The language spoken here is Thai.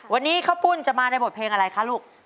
วันนี้ข้าวปุ้นจะมาในบทเพลงอะไรคะลูก